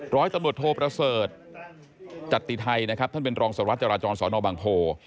ร้อยตำรวจโทประเสริฐจติไทยนะครับท่านเป็นรองสวัสดิจราจรสอนอบางโพ